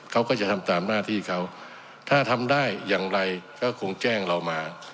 เขาก็จะทำตามหน้าที่เขาถ้าทำได้อย่างไรก็คงแจ้งเรามา